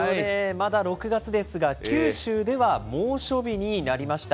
まだ６月ですが、九州では猛暑日になりました。